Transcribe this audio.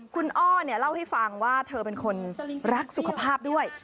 คุณอ้อเล่าให้ฟังว่าเธอเป็นคนรักสุขภาพด้วย